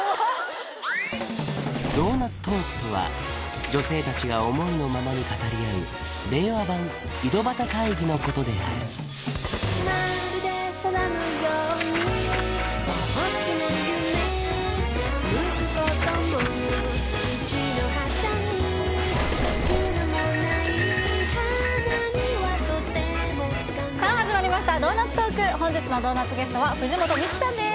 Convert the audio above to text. ドーナツトークとは女性達が思いのままに語り合う令和版井戸端会議のことであるさあ始まりました「ドーナツトーク」本日のドーナツゲストは藤本美貴さんです